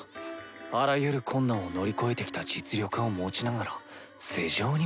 あらゆる困難を乗り越えてきた実力を持ちながら世情には疎い。